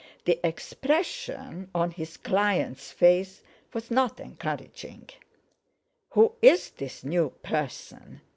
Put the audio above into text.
The expression on his client's face was not encouraging. "Who is this new person?"